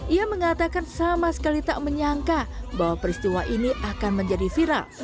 ia mengatakan sama sekali tak menyangka bahwa peristiwa ini akan menjadi viral